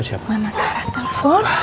siapa mama sarah telepon